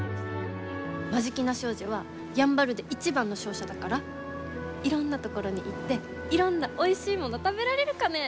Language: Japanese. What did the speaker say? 眞境名商事はやんばるで一番の商社だからいろんな所に行っていろんなおいしいもの食べられるかね。